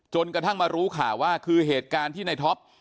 กระทั่งมารู้ข่าวว่าคือเหตุการณ์ที่ในท็อป